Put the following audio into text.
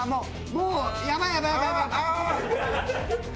もうやばいやばいやばい。